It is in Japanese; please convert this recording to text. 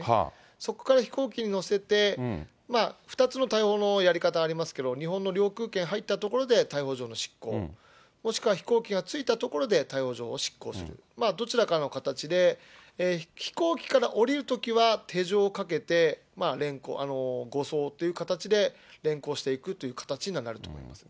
そこから飛行機に乗せて、２つの対応のやり方ありますけれども、日本の領空圏入った所で逮捕状の執行、もしくは飛行機が着いた所で逮捕状を執行する、どちらかの形で飛行機から降りるときは、手錠をかけて連行、護送という形で連行していくという形にはなると思いますね。